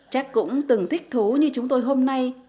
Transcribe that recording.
chắc cũng từng thích thú như chúng tôi hôm nay